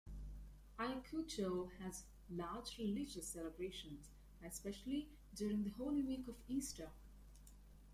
Ayacucho has large religious celebrations, especially during the Holy Week of Easter.